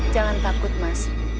jangan takut mas